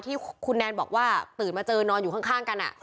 ที่คุณแนนบอกว่าตื่นมาเจอนอนอยู่ข้างกัน